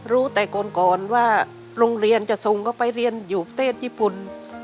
รู้แต่ก่อนว่าโรงเรียนจะส่งเขาไปเรียนอยู่ประเทศญี่ปุ่น